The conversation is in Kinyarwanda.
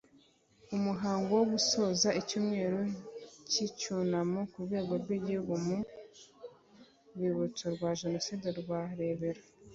umuhango wo gusoza icyumweru cy’icyunamo ku rwego rw’igihugu ku rwibutso rwa jenoside rwa rebero